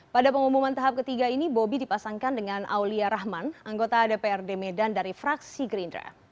pada pengumuman tahap ketiga ini bobi dipasangkan dengan aulia rahman anggota dprd medan dari fraksi gerindra